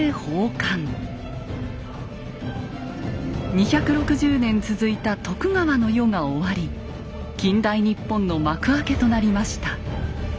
２６０年続いた徳川の世が終わり近代日本の幕開けとなりました。